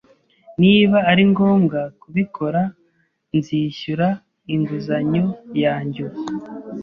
Niba ari ngombwa kubikora, nzishyura inguzanyo yanjye ubu.